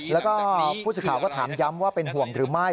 แล้วก็ผู้สื่อข่าวก็ถามย้ำว่าเป็นห่วงหรือไม่